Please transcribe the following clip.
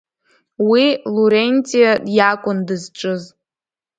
Уи Лурентиа иакәын дызҿыз.